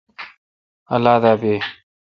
اللہ دا بی۔